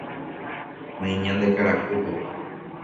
oĩ ñande karakúpe